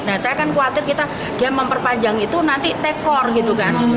nah saya kan khawatir kita dia memperpanjang itu nanti tekor gitu kan